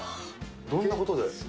どんなことで。